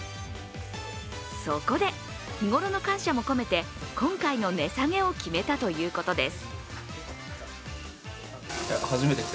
そこで、日頃の感謝も込めて今回の値下げを決めたということです。